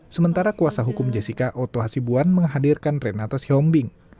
sementara kuasa hukum jessica oto hasibuan menghadirkan renata sihombing